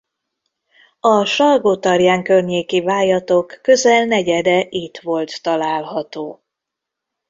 A Salgótarján környéki vájatok közel negyede itt volt található.